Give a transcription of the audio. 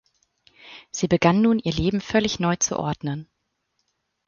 Sie begann nun ihr Leben völlig neu zu ordnen.